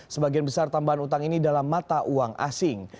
sebagian besar tambahan utang ini dalam mata uang asing